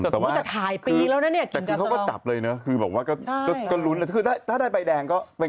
แต่ว่าคือแต่ว่าคือเขาก็จับเลยนะคือแบบว่าก็รุ้นถ้าได้ใบแดงก็เป็น